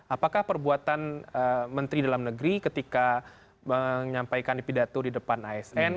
apakah perbuatan menteri dalam negeri ketika menyampaikan pidato di depan asn